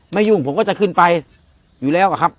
ยุ่งผมก็จะขึ้นไปอยู่แล้วอะครับ